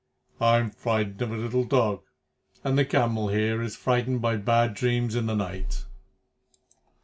"I'm frightened of a little dog, and the camel here is frightened by bad dreams in the night."